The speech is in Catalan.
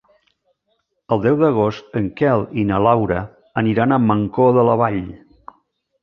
El deu d'agost en Quel i na Laura aniran a Mancor de la Vall.